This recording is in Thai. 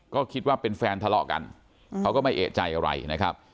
ก็คิดว่าเป็นแฟนทะเลาะกันเขาก็ไม่เอกใจอะไรนะครับ